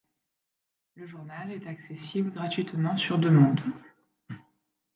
Le journal est accessible gratuitement sur demande.